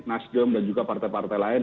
nasdem dan juga partai partai lain